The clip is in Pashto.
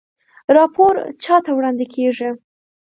راپور چا ته وړاندې کیږي؟